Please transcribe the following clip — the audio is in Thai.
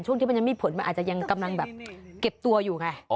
ที่มันยังมีผลมันอาจจะยังกำลังแบบเก็บตัวอยู่ไง